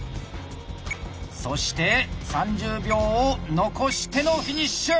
そして３０秒を残してのフィニッシュ！